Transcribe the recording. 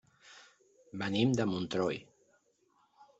Venim de Montroi.